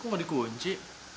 kok gak dikunci